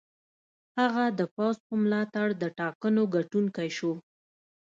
هغه د پوځ په ملاتړ د ټاکنو ګټونکی شو.